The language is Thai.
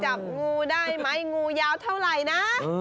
จับงูได้ไหมงูยาวเท่าไหร่นะ